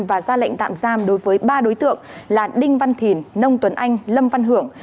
và ra lệnh tạm giam đối với ba đối tượng là đinh văn thìn nông tuấn anh lâm văn hưởng